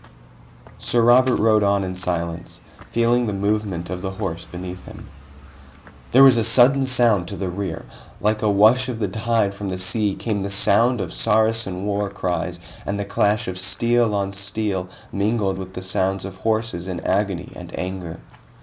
Sir Robert rode on in silence, feeling the movement of the horse beneath him. There was a sudden sound to the rear. Like a wash of the tide from the sea came the sound of Saracen war cries and the clash of steel on steel mingled with the sounds of horses in agony and anger.